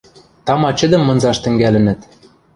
Тама чӹдӹм мынзаш тӹнгӓлӹнӹт.